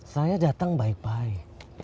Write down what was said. saya datang baik baik